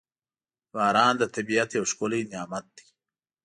• باران د طبیعت یو ښکلی نعمت دی.